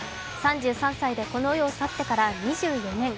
３３歳でこの世を去ってから２４年。